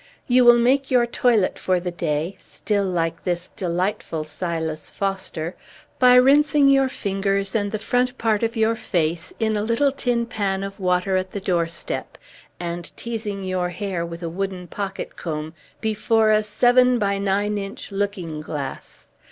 You will make your toilet for the day (still like this delightful Silas Foster) by rinsing your fingers and the front part of your face in a little tin pan of water at the doorstep, and teasing your hair with a wooden pocket comb before a seven by nine inch looking glass.